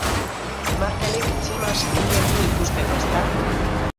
Markelek txima zikinekin ikusteko, ezta?